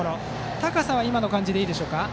高さは今の感じでいいでしょうか。